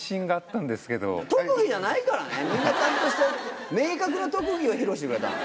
みんなちゃんとした明確な特技を披露してくれたの。